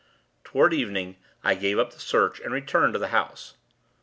Toward evening, I gave up the search, and returned to the house.